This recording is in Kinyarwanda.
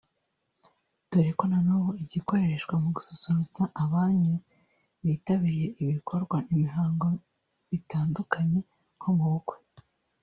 dore ko na n’ubu igikoreshwa mu gususurutsa abanyu bitabiriye ibikorwa/imihango bitandukanye nko mu bukwe